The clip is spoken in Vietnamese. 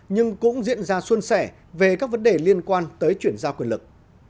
nhưng cũng diễn ra xuân sẻ về các vấn đề liên quan tới chuyển giao quyền lực